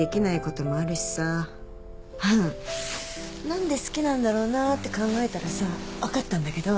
何で好きなんだろうなって考えたらさ分かったんだけど。